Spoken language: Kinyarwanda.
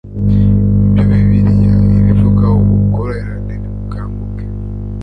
icyo bibiliya ibivugaho ubworoherane nimukanguke